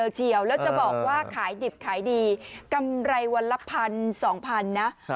แล้วจะบอกว่าขายดิบขายดีกำไรวันละพัน๒๐๐๐นะ